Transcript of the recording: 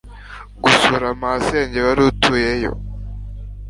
gusura masenge warutuyeyo